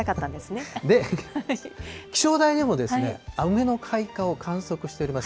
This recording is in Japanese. で、気象台でも梅の開花を観測しています。